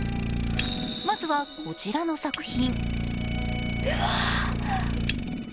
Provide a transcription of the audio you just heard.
まずは、こちらの作品。